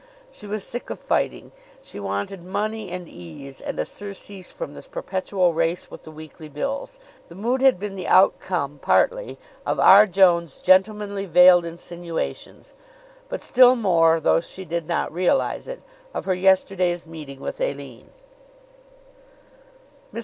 She was sick of fighting. She wanted money and ease, and a surcease from this perpetual race with the weekly bills. The mood had been the outcome partly of R. Jones' gentlemanly veiled insinuations, but still more, though she did not realize it, of her yesterday's meeting with Aline. Mr.